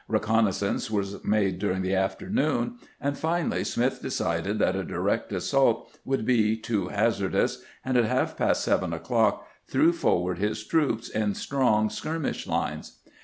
Reconnaissances were made during the afternoon, and finally Smith decided that a direct assault would be too hazardous, and at haK past seven o'clock threw forward his troops in strong skirmish lines.